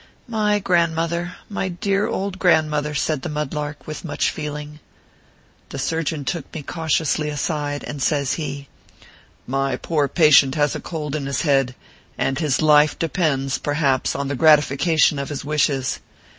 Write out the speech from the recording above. " My grandmother, my dear old grandmother," said the Mud lark, with much feeling. The surgeon took me cautiously aside, and says he: " My poor patient has a cold in his head, and his life depends, perhaps, on the gratification of his wishes.